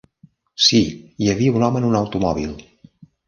Sí, hi havia un home en un automòbil.